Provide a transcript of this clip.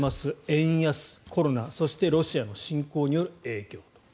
円安、コロナそしてロシアの侵攻による影響。